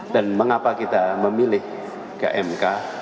dan mengapa kita memilih ke mk